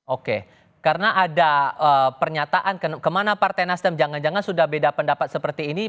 oke karena ada pernyataan kemana partai nasdem jangan jangan sudah beda pendapat seperti ini